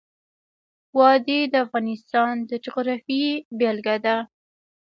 وادي د افغانستان د جغرافیې بېلګه ده.